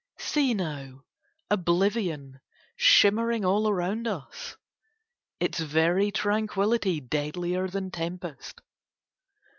See now Oblivion shimmering all around us, its very tranquility deadlier than tempest.